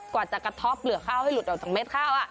กว่าจะกระท๊อปเหลือข้าวให้หลุดออกเวลา